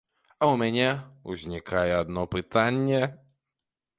А ў мяне ўзнікае адно пытанне.